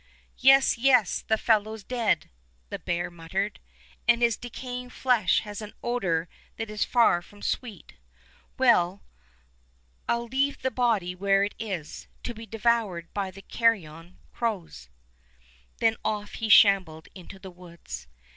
"Yes, yes, the fellow's dead," the bear muttered, "and his decaying flesh has an odor that is far from sweet. Well, I'll 93 Fairy Tale Bears leave the body where it is, to be devoured by the carrion crows/' Then off he shambled into the woods.